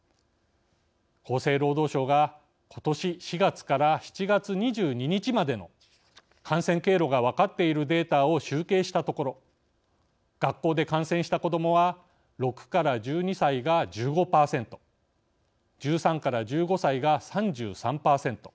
厚生労働省がことし４月から７月２２日までの感染経路が分かっているデータを集計したところ学校で感染した子どもは６１２歳が１５％１３１５歳が３３％